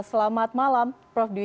selamat malam prof dwi